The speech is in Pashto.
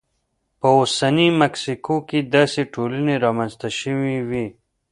په اوسنۍ مکسیکو کې داسې ټولنې رامنځته شوې وې.